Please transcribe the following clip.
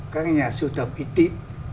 các nhà sưu tập uy tín